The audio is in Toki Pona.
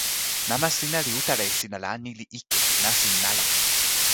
mama sina li utala e sina la, ni li ike, li nasin ala.